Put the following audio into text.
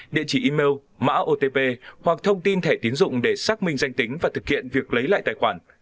địa chỉ email mã otp hoặc thông tin thẻ tiến dụng để xác minh danh tính và thực hiện việc lấy lại tài khoản